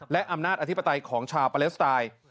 และอำนาจอธิปไตยของชาวปาเลสไตน์